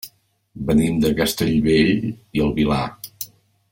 Venim de Castellbell i el Vilar.